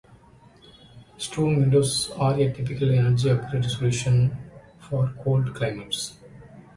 Storm windows are a typical energy upgrade solution for cold climates.